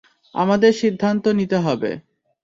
আমাদের সিদ্ধান্ত নিতে হবে।